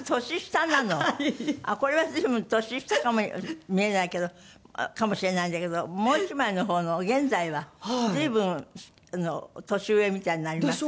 これは随分年下見えないけどかもしれないんだけどもう一枚の方の現在は随分年上みたいになりました。